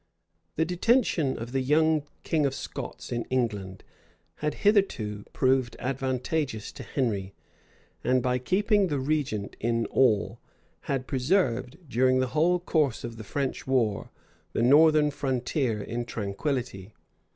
The detention of the young king of Scots in England had hitherto proved advantageous to Henry; and by keeping the regent in awe, had preserved, during the whole course of the French war, the northern frontier in tranquillity.